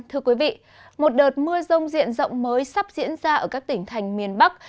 thưa quý vị một đợt mưa rông diện rộng mới sắp diễn ra ở các tỉnh thành miền bắc